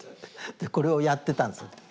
でこれをやってたんです。